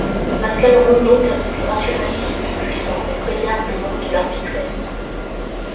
Pascal rompt donc avec le rationalisme tout puissant, mais préserve le monde de l’arbitraire.